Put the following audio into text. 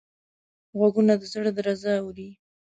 غوږونه د زړه درزا اوري